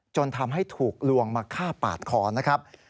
จนทำให้ถูกลวงมาฆ่าปาดคอนะครับ